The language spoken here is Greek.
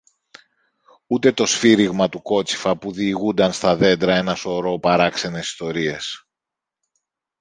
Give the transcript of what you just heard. ούτε το σφύριγμα του κότσυφα που διηγούνταν στα δέντρα ένα σωρό παράξενες ιστορίες.